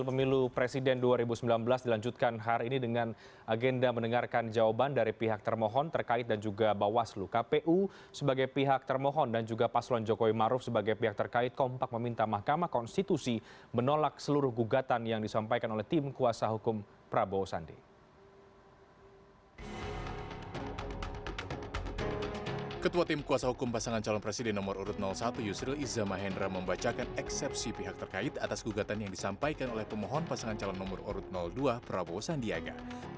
pempasangan calon presiden nomor urut satu yusril izzah mahendra membacakan eksepsi pihak terkait atas gugatan yang disampaikan oleh pemohon pasangan calon nomor urut dua prabowo sandiaga